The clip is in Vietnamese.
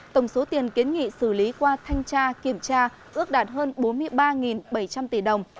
tổng số tiền kiến nghị xử lý qua thanh tra kiểm tra ước đạt hơn bốn mươi ba bảy trăm linh tỷ đồng